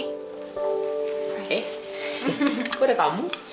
eh kok ada kamu